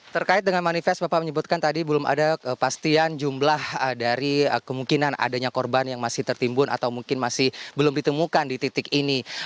terkait dengan manifest bapak menyebutkan tadi belum ada kepastian jumlah dari kemungkinan adanya korban yang masih tertimbun atau mungkin masih belum ditemukan di titik ini